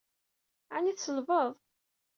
Aɛni tselbeḍ?